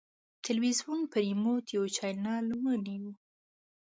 تلویزیون په ریموټ یو چینل ونیو.